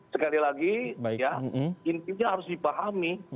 sekali lagi ya intinya harus dipahami